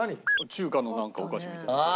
中華のなんかお菓子みたいなやつ。